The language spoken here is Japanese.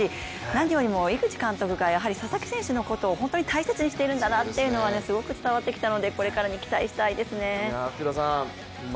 何よりも井口監督が佐々木選手のことを本当に大切にしているんだなというのはすごく伝わってきたのでこれからに期待したいですね。